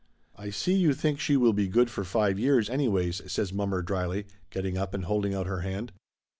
"I see you think she will be good for five years, anyways," says mommer dryly, getting up and holding out her hand.